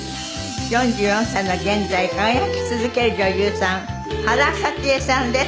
４４歳の現在輝き続ける女優さん原沙知絵さんです。